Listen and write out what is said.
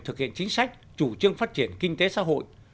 thực hiện chính sách chủ trương phát triển kinh tế xã hội